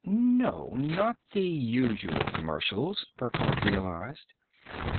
No, not the usual commercials, Burckhardt realized.